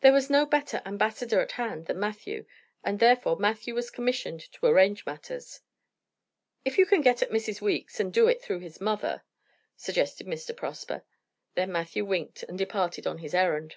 There was no better ambassador at hand than Matthew, and therefore Matthew was commissioned to arrange matters. "If you can get at Mrs. Weeks, and do it through his mother," suggested Mr. Prosper. Then Matthew winked and departed on his errand.